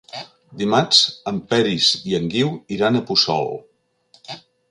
Dimarts en Peris i en Guiu iran a Puçol.